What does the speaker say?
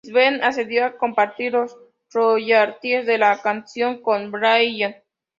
Stewart accedió a compartir los royalties de la canción con Dylan.